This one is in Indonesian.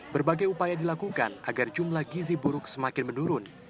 berbagai upaya dilakukan agar jumlah gizi buruk semakin menurun